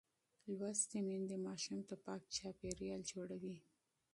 لوستې میندې ماشوم ته پاک چاپېریال جوړوي.